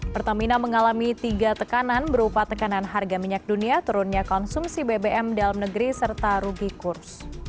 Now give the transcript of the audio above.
pertamina mengalami tiga tekanan berupa tekanan harga minyak dunia turunnya konsumsi bbm dalam negeri serta rugi kurs